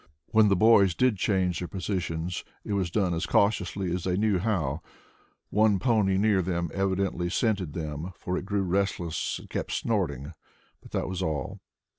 When the boys did change their positions it was done as cautiously as they knew how. One Pony near them evidently scented them, for it grew restless and kept snorting, but that was all.